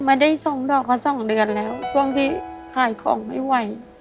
ไม่ได้ส่งดอกมาสองเดือนแล้วช่วงที่ขายของไม่ไหว